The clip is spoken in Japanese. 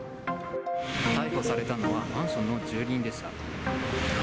逮捕されたのはマンションの住人でした。